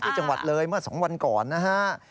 ที่จังหวัดเลยเมื่อ๒วันก่อนนะฮะ